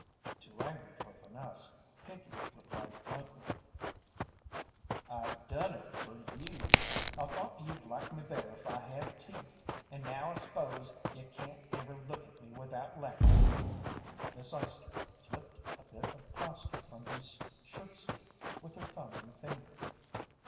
Too angry for finesse, Pinkey replied bluntly: "I done it fer you. I thought you'd like me better if I had teeth, and now I s'pose you can't ever look at me without laughin'." Miss Eyester flipped a bit of plaster from his shirtsleeve with her thumb and finger.